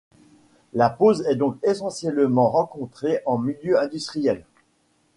La pose est donc essentiellement rencontrée en milieu industriel.